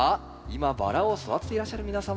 今バラを育てていらっしゃる皆様。